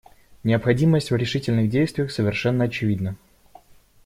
Необходимость в решительных действиях совершенно очевидна.